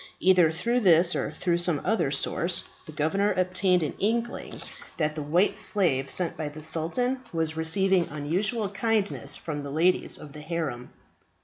Either through this or through some other source the governor obtained an inkling that the white slave sent by the sultan was receiving unusual kindness from the ladies of the harem.